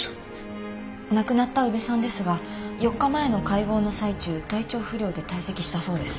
亡くなった宇部さんですが４日前の解剖の最中体調不良で退席したそうです。